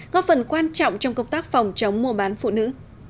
góp phần quan trọng trong công tác phòng chống mua bán phụ nữ